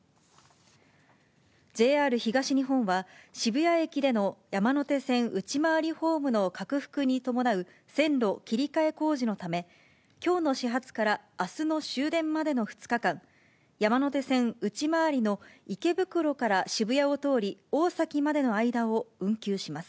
ＪＲ東日本は、渋谷駅での山手線内回りホームの拡幅に伴う線路切り替え工事のため、きょうの始発からあすの終電までの２日間、山手線内回りの池袋から渋谷を通り、大崎までの間を運休します。